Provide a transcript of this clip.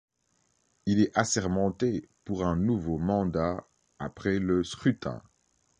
Il est assermenté pour un nouveau mandat après le scrutin.